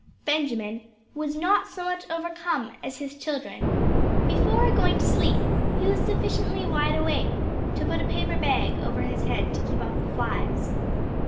Benjamin was not so much overcome as his children. Before going to sleep he was sufficiently wide awake to put a paper bag over his head to keep off the flies.